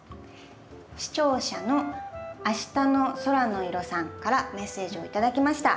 視聴者のあしたのそらのいろさんからメッセージを頂きました。